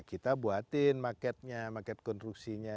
kita buatin marketnya market konstruksinya